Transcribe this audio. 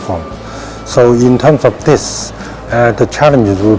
tantangan akan menjadi bagaimana untuk berubah